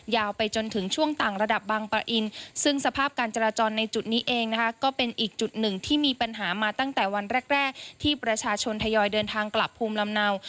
ไปจนถึงช่วงต่างระดับบางปะอินซึ่งสภาพการจราจรในจุดนี้เองนะคะก็เป็นอีกจุดหนึ่งที่มีปัญหามาตั้งแต่วันแรกที่ประชาชนทยอยเดินทางกลับภูมิลำเนา